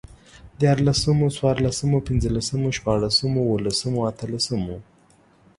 ديارلسمو، څوارلسمو، پنځلسمو، شپاړسمو، اوولسمو، اتلسمو